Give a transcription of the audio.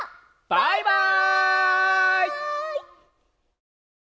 バイバイ！